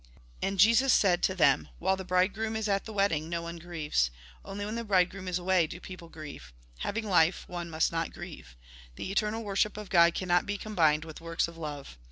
And Jesus said to them :" While the bridegroom is at the wedding, no one grieves. Only when the bride groom is away, do people grieve. Having life, one must not grieve. The external worship of God cannot be combined with works of love.